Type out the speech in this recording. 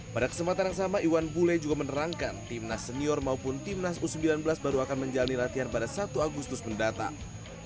pada kesempatan yang sama iwan bule juga menerangkan timnas senior maupun timnas u sembilan belas baru akan menjalani latihan pada satu agustus mendatang